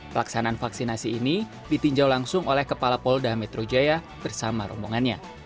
pelaksanaan vaksinasi ini ditinjau langsung oleh kepala polda metro jaya bersama rombongannya